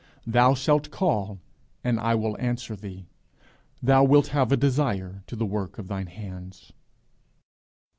Thou shalt call, and I will answer thee: thou wilt have a desire to the work of thine hands_.